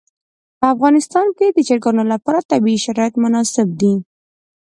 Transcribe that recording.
په افغانستان کې د چرګان لپاره طبیعي شرایط مناسب دي.